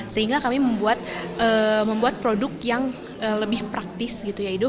sehingga kami membuat produk yang lebih praktis gitu ya